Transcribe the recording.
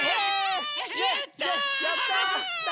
やった！